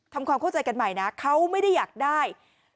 ความเข้าใจกันใหม่นะเขาไม่ได้อยากได้